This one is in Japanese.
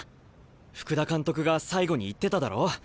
福田監督が最後に言ってただろ。